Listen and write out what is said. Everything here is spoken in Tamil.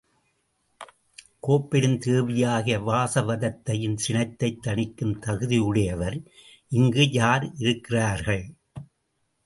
கோப்பெருந்தேவியாகிய வாசவதத்தையின் சினத்தைத் தணிக்கும் தகுதியுடையவர் இங்கு யார் இருக்கிறார்கள்?